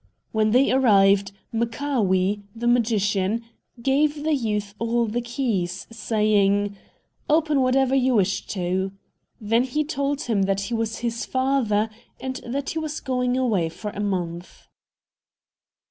When they arrived, Mchaa'wee, the magician, gave the youth all the keys, saying, "Open whatever you wish to." Then he told him that he was his father, and that he was going away for a month.